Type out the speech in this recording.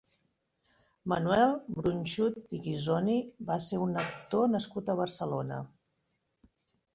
Manuel Bronchud i Guisoni va ser un actor nascut a Barcelona.